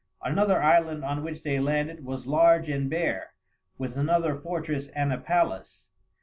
Another island on which they landed was large and bare, with another fortress and a palace.